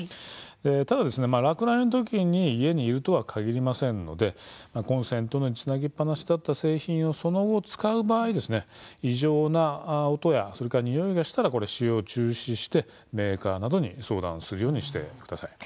ただ落雷のときに家にいるとはかぎりませんのでコンセントにつなぎっぱなしだった製品をその後、使う場合異常な音や、においがしたら使用を中止してメーカーなどに相談をするようにしてください。